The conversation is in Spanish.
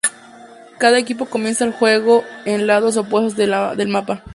Cada equipo comienza el juego en lados opuestos del mapa.